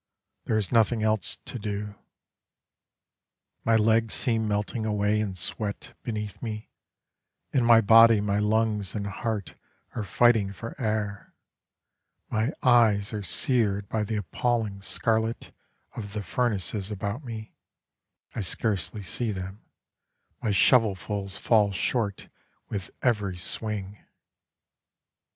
There is nothing else to do. My legs seem melting away in sweat beneath me: In my body my lungs and heart are fighting for air, My eyes are seared by the appalling scarlet, Of the furnaces about me I scarcely see them My shovelfuls fall short with every swing.